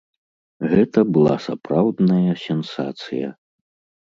Гэта была сапраўдная сенсацыя.